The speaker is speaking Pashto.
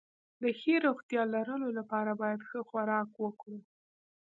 د ښې روغتيا لرلو لپاره بايد ښه خوراک وکړو